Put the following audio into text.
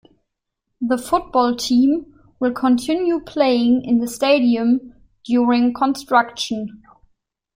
The football team will continue playing in the stadium during construction.